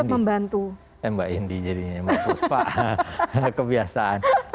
banyak mbak indi eh mbak indi jadinya yang mampus pak kebiasaan